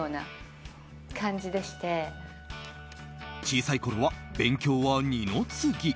小さいころは勉強は二の次。